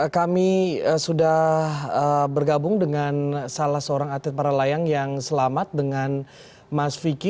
kami sudah bergabung dengan salah seorang atlet para layang yang selamat dengan mas vicky